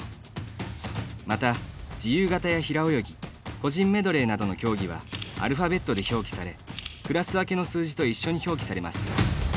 また、自由形や平泳ぎ個人メドレーなどの競技はアルファベットで表記されクラス分けの数字と一緒に表記されます。